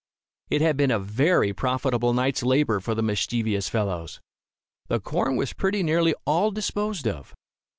It had been a very profitable night's labor for the mischievous fellows. The corn was pretty nearly all disposed of.